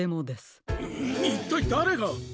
いったいだれが！？